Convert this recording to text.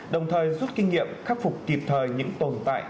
đồng thời rút kinh nghiệm khắc phục kịp thời những tồn tại